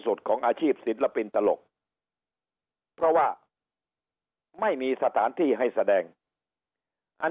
ของอาชีพศิลปินตลกเพราะว่าไม่มีสถานที่ให้แสดงอัน